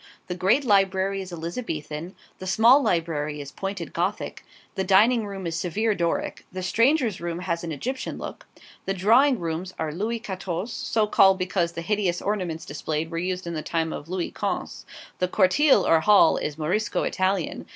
The great library is Elizabethan; the small library is pointed Gothic; the dining room is severe Doric; the strangers' room has an Egyptian look; the drawing rooms are Louis Quatorze (so called because the hideous ornaments displayed were used in the time of Louis Quinze); the CORTILE, or hall, is Morisco Italian.